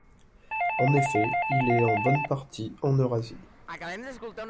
En effet, il est en bonne partie en Eurasie.